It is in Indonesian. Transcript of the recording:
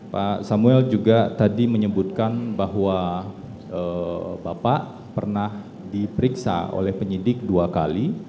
pak samuel juga tadi menyebutkan bahwa bapak pernah diperiksa oleh penyidik dua kali